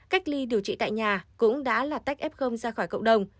cách ly điều trị tại nhà cũng đã là tách f ra khỏi cộng đồng